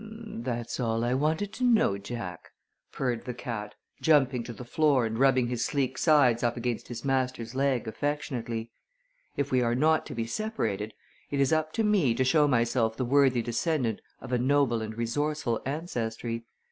"That's all I wanted to know, Jack," purred the cat, jumping to the floor and rubbing his sleek sides up against his master's leg affectionately. "If we are not to be separated, it is up to me to show myself the worthy descendant of a noble and resourceful ancestry.